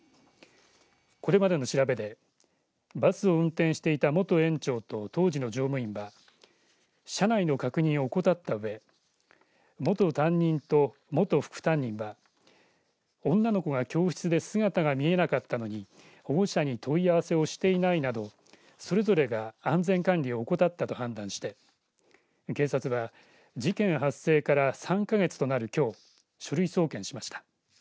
これまでの調べでバスを運転していた元園長と当時の乗務員は車内の確認を怠ったうえ元担任と元副担任は女の子が教室で姿が見えなかったのに保護者に問い合わせをしていないなどそれぞれが安全管理を怠ったと判断して警察は事件発生から３か月となるきょう書類送検しました。